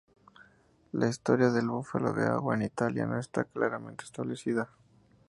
La historia del búfalo de agua en Italia no está claramente establecida.